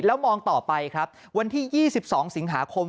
แล้วมองต่อไปครับวันที่๒๒สิงหาคม